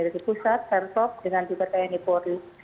dari pusat pemprov dengan juga tni polri